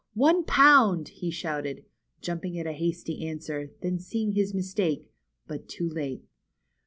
One pound ! he shouted, jumping at a hasty answer, then seeing his mistake, but too late.